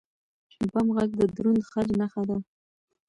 بم غږ د دروند خج نښه ده.